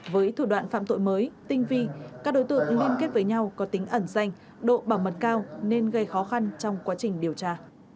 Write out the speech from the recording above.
với thủ đoạn phạm tội mới tinh vi các đối tượng liên kết với nhau có tính ẩn danh độ bảo mật cao nên gây khó khăn trong quá trình điều tra